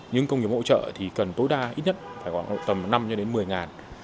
nhưng công nghiệp hỗ trợ thì cần tối đa ít nhất phải gọi là tầm năm một mươi ngàn